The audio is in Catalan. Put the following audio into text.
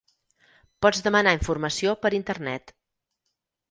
Pots demanar informació per Internet.